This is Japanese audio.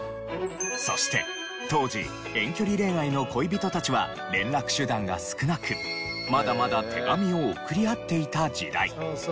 そして当時遠距離恋愛の恋人たちは連絡手段が少なくまだまだ手紙を送り合っていた時代。